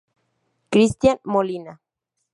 Cristian Molina